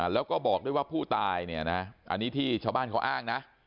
แล้วก็บอกด้วยว่าผู้ตายเนี่ยนะอันนี้ที่ชาวบ้านเขาอ้างนะ